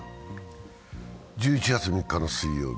１１月３日の水曜日。